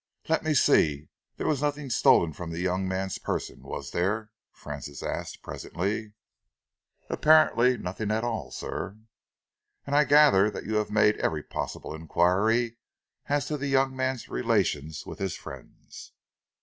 "Let me see, there was nothing stolen from the young man's person, was there?" Francis asked presently. "Apparently nothing at all, sir." "And I gather that you have made every possible enquiry as to the young man's relations with his friends?"